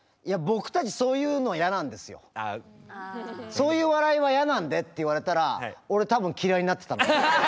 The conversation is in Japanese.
「そういう笑いは嫌なんで」って言われたら俺多分嫌いになってた。